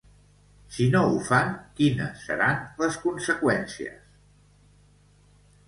Si no ho fan, quines seran les conseqüències?